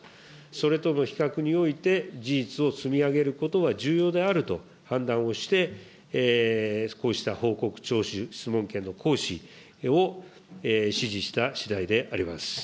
それとの比較において事実を積み上げることは重要であると判断をして、こうした報告徴収、質問権の行使を指示したしだいであります。